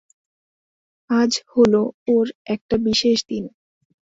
আজ হল ওর একটা বিশেষ দিন।